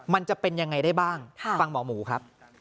มันจะเป็นยังไงได้บ้างฟังหมอหมูครับ